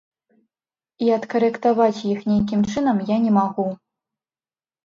І адкарэктаваць іх нейкім чынам я не магу.